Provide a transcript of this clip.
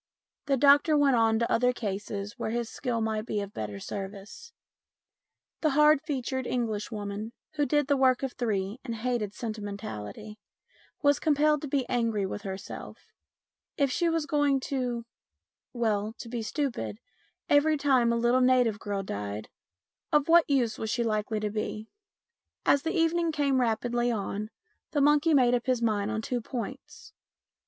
The doctor went on to other cases where his skill might be of better service. The hard featured Englishwoman, who did the work of three and hated sentimentality, was compelled to be angry with herself. If she was going to well, to be stupid every time a little native girl died, of what use was she likely to be ? MINIATURES 221 As the evening came rapidly on, the monkey made up his mind on two points.